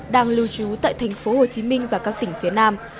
đang lưu trú tại thành phố hồ chí minh và các tỉnh phía nam